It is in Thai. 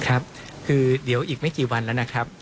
ครับคือเดี๋ยวยังอีกไม่กี่วันนะครับ